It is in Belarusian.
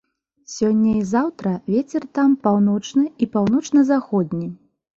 Сёння і заўтра вецер там паўночны і паўночна-заходні.